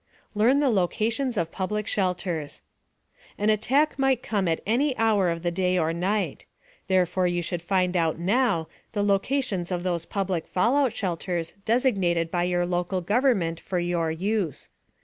LEARN THE LOCATIONS OF PUBLIC SHELTERS An attack might come at any hour of the day or night. Therefore you should find out now the locations of those public fallout shelters designated by your local government for your use.